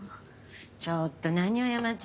ちょっと何よ山ちゃん。